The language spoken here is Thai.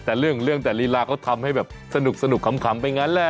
แต่เรื่องแต่ลีลาเขาทำให้แบบสนุกขำไปงั้นแหละ